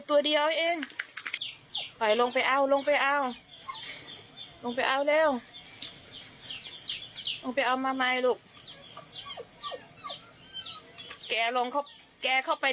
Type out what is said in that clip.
แก่ลงเข้าแก่เข้าไปในรูเลยแก่ลงไปใหม่